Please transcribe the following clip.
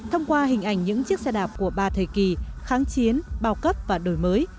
thông qua hình ảnh những chiếc xe đạp của ba thời kỳ kháng chiến bao cấp và đổi mới